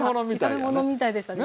炒め物みたいでしたね。